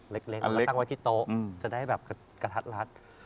เล็กเอามาตั้งไว้ที่โต๊ะจะได้แบบกระทัดรัด